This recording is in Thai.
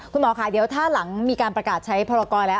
คุณหมอค่ะเดี๋ยวถ้าหลังมีการประกาศใช้พรกรแล้ว